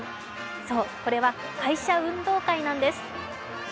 そう、これは会社運動会なんです。